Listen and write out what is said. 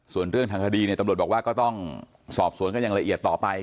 ส่วนเรื่องทางคดีเนี่ยตำรวจบอกว่าก็ต้องสอบสวนกันอย่างละเอียดต่อไป